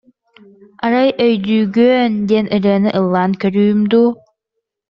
«Арай «Өйдүүгүөн» диэн ырыаны ыллаан көрүүм дуу»